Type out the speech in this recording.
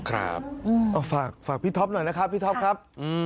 ครับเอาฝากพี่ท็อปหน่อยนะครับพี่ท็อปครับ